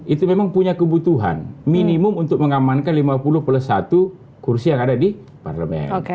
itu memang punya kebutuhan minimum untuk mengamankan lima puluh plus satu kursi yang ada di parlemen